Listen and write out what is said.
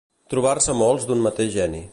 Trobar-se molts d'un mateix geni.